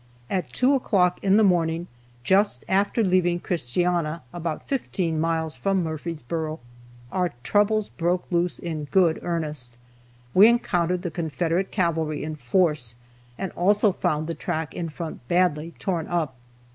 At 2 o'clock in the morning, just after leaving Christiana, about 15 miles from Murfreesboro, our troubles broke loose in good earnest. We encountered the Confederate cavalry in force, and also found the track in front badly torn up.